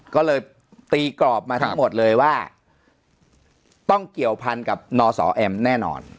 ก็เลยตีกรอบมาทั้งหมดเลยว่าต้องเกี่ยวพันกับนสแอมแน่นอน